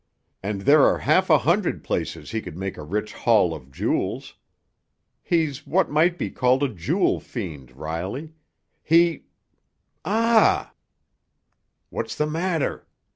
And there are half a hundred places he could make a rich haul of jewels. He's what might be called a jewel fiend, Riley. He—— Ah!" "What's the matter?"